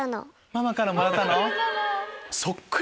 ママからもらったの！